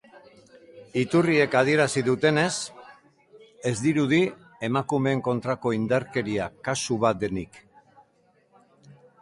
Iturriek adierazi dutenez, ez dirudi emakumeen kontrako indarkeria kasu bat denik.